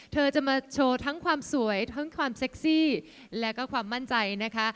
เธอจะมาโชว์ทั้งความสวยทั้งความเซ็กซี่แล้วก็ความมั่นใจนะคะ